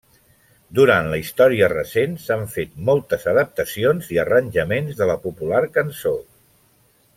Durant la història recent s'han fet moltes adaptacions i arranjaments de la popular cançó.